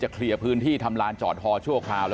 ขอบคุณทุกคนขอบคุณทุกคน